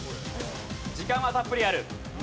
時間はたっぷりある。